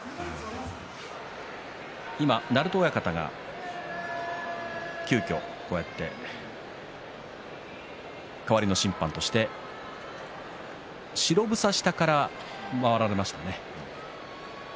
今、鳴戸親方が急きょ代わりの審判として白房下から回られましたね。